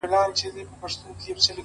• په یوه شېبه پر ملا باندي ماتېږې,